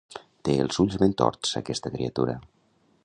Té els ulls ben torts, aquesta criatura.